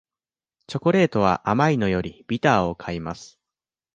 チョコレートは甘いのよりビターを買います